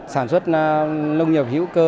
sản xuất nông nghiệp hữu cơ